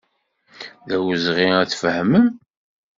D awezɣi ad tfehmem.